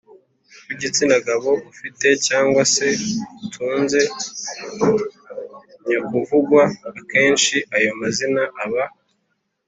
w’igitsina gabo ufite cyangwa se utunze nyakuvugwa. Akenshi ayo mazina aba